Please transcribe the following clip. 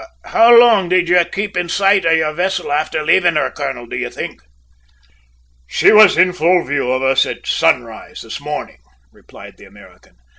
"How long did you keep in sight of your vessel after leaving her, colonel, do you think?" "She was in full view of us at sunrise this morning," replied the American.